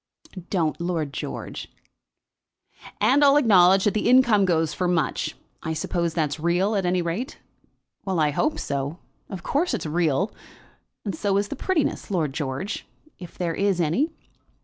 "Don't, Lord George." "And I'll acknowledge that the income goes for much. I suppose that's real at any rate?" "Well; I hope so. Of course it's real. And so is the prettiness, Lord George; if there is any."